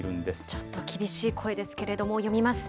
ちょっと厳しい声ですけれども、読みます。